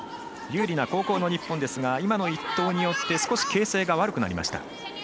有利な後攻の日本ですが今の１投によって少し形勢が悪くなりました。